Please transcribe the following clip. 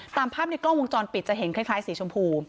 ตามภาพในกล้องวงจรปิดจะเห็นคล้ายสีชมพู